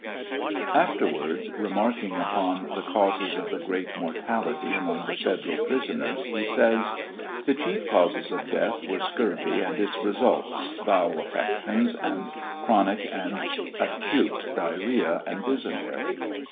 Afterwards, remarking upon the causes of the great mortality among the federal prisoners, he says : The chief causes of death were scurvy and its results, bowel affections, and chronic and acute diarrhoea, and dysentery.